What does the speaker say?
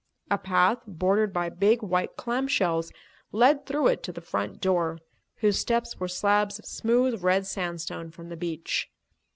A path, bordered by big white clam shells, led through it to the front door, whose steps were slabs of smooth red sandstone from the beach.